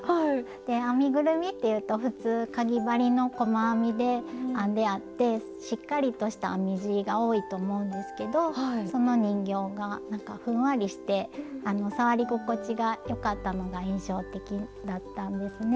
編みぐるみっていうと普通かぎ針の細編みで編んであってしっかりとした編み地が多いと思うんですけどその人形がなんかふんわりして触り心地がよかったのが印象的だったんですね。